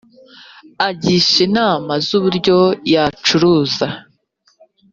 agisha inama z’uburyo yacuruza